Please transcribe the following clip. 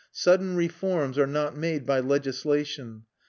Sudden reforms are not made by legislation.